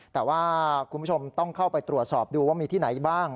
แต่ว่าคุณผู้ชมต้องเข้าไปตรวจสอบดูว่ามีที่ไหนบ้าง